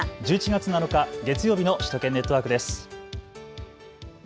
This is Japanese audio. １１月７日、月曜日の首都圏ネットワークです。